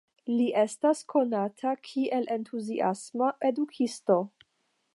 Li estas konata kiel entuziasma edukisto.